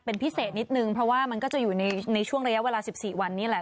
เป็นพิเศษนิดนึงเพราะว่ามันก็จะอยู่ในช่วงระยะเวลา๑๔วันนี้แหละ